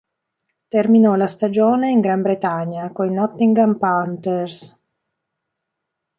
Terminò la stagione in Gran Bretagna, coi Nottingham Panthers.